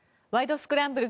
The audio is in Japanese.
スクランブル」